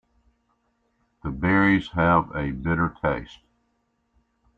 The berries have a bitter taste.